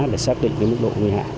để xác định mức độ nguy hại